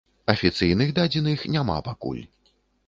Афіцыйных дадзеных няма пакуль.